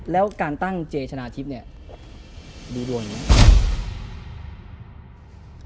แล้วการตั้งเจชนะทิศเนี่ยดูดวนนะ